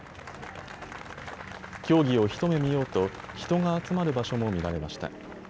競技を一目見ようと人が集まる場所も見られました。